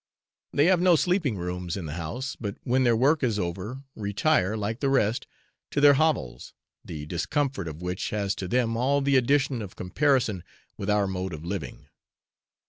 They have no sleeping rooms in the house, but when their work is over, retire, like the rest, to their hovels, the discomfort of which has to them all the addition of comparison with our mode of living.